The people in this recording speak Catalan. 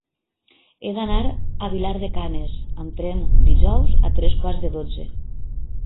He d'anar a Vilar de Canes amb tren dijous a tres quarts de dotze.